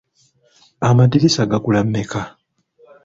Amadirisa gagula mmeka?